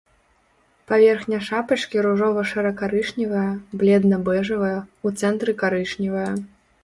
Паверхня шапачкі ружова-шэра-карычневая, бледна-бэжавая, у цэнтры карычневая.